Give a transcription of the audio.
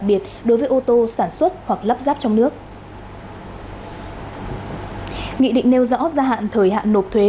biệt đối với ô tô sản xuất hoặc lắp ráp trong nước nghị định nêu rõ gia hạn thời hạn nộp thuế